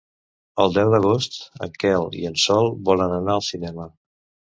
El deu d'agost en Quel i en Sol volen anar al cinema.